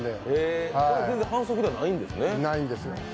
反則ではないんですね。